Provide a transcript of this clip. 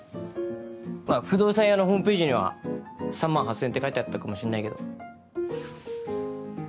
まぁ不動産屋のホームページには３万８０００円って書いてあったかもしんないけど。